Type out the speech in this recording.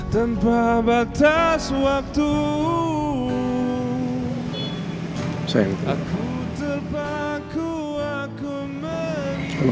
mama benar benar gak rela